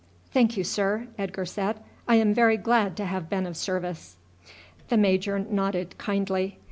"Thank you, sir," Edgar said. "I am very glad to have been of service." The major nodded kindly.